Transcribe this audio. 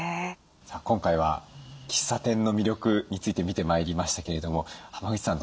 さあ今回は喫茶店の魅力について見てまいりましたけれども濱口さん